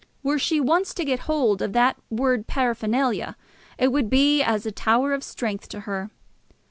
Were she once to get hold of that word paraphernalia, it would be as a tower of strength to her.